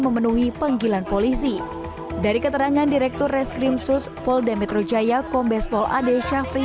memenuhi penggilan polisi dari keterangan direktur reskrim sus paul demetro jaya kombespol ade syafri